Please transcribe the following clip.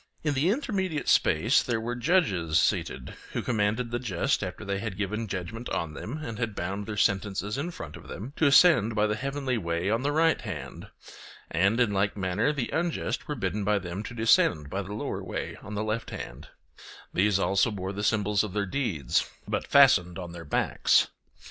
In the intermediate space there were judges seated, who commanded the just, after they had given judgment on them and had bound their sentences in front of them, to ascend by the heavenly way on the right hand; and in like manner the unjust were bidden by them to descend by the lower way on the left hand; these also bore the symbols of their deeds, but fastened on their backs.